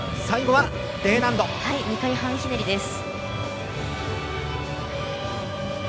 ２回半ひねりです。